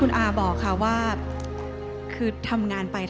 เพราะฉะนั้นเราทำกันเนี่ย